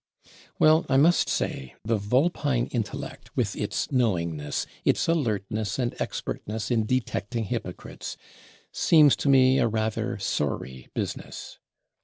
Well, I must say, the vulpine intellect, with its knowingness, its alertness and expertness in "detecting hypocrites," seems to me a rather sorry business.